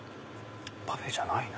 パフェじゃないな。